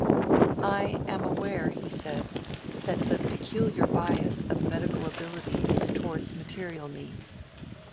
"I am aware," he said, "that the peculiar bias of medical ability is towards material means.